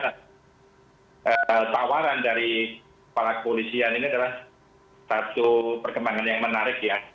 karena tawaran dari kepala polisian ini adalah satu perkembangan yang menarik ya